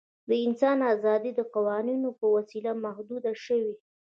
د انسان آزادي د قوانینو په وسیله محدوده شوې.